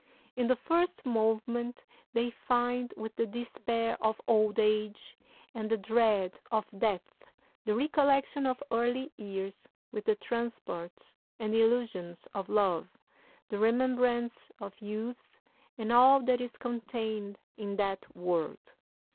In the first movement they find, with the despair of old age and the dread of death, the recollection of early years, with the transports and illusions of love, the remembrance of youth and all that is contained in that word.